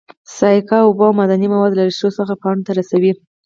ساقه اوبه او معدني مواد له ریښو څخه پاڼو ته رسوي